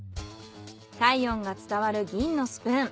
体温が伝わる銀のスプーン。